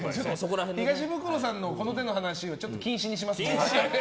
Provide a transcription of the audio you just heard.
東ブクロさんのこの手の話は禁止にします。